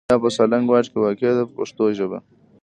دا په سالنګ واټ کې واقع ده په پښتو ژبه.